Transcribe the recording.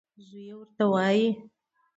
زوی یې ورته وايي: